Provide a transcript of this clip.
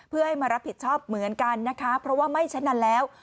เพื่อให้มารับผิดชอบเหมือนกันนะคะเพราะว่าไม่ฉะนั้นแล้ว